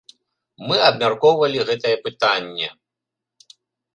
Мы абмяркоўвалі гэтае пытанне.